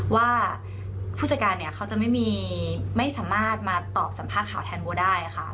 ว่าผู้จัดการเนี่ยเขาจะไม่สามารถมาตอบสัมภาษณ์ข่าวแทนบัวได้ค่ะ